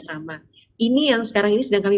sama ini yang sekarang ini sedang kami